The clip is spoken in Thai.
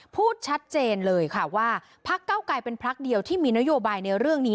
พูดชัดเจนเลยค่ะว่าพักเก้าไกรเป็นพักเดียวที่มีนโยบายในเรื่องนี้